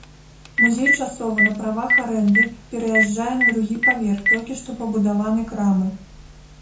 Музей часова, на правах арэнды, пераязджае на другі паверх толькі што пабудаванай крамы.